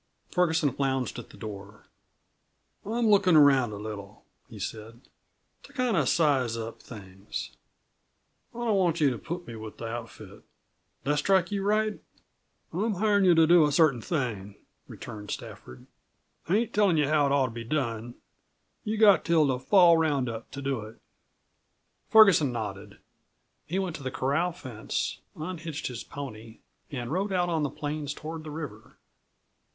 Ferguson lounged to the door. "I'm lookin' around a little," he said, "to kind of size up things. I don't want you to put me with the outfit. That strike you right?" "I'm hirin' you to do a certain thing," returned Stafford. "I ain't tellin' you how it ought to be done. You've got till the fall roundup to do it." Ferguson nodded. He went to the corral fence, unhitched his pony, and rode out on the plains toward the river.